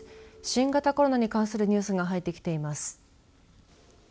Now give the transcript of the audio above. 新型コロナに関するニュースが入ってきています。